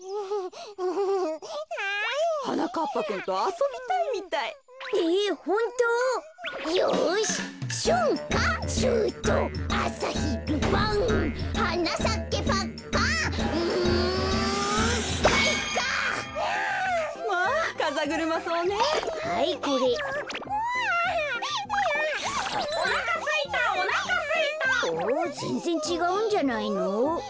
うん？ぜんぜんちがうんじゃないの？